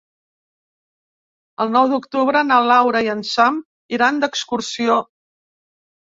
El nou d'octubre na Laura i en Sam iran d'excursió.